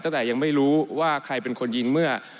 ยังแต่ยังไม่รู้ว่าใครเป็นคนยิงเมื่อ